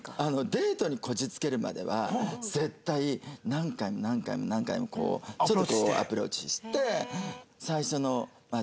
デートにこぎつけるまでは絶対何回も何回も何回もちょっとこうアプローチして。